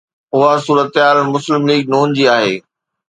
اها صورتحال مسلم ليگ ن جي آهي.